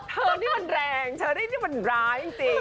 เธอนี่มันแรงเชอรี่นี่มันร้ายจริง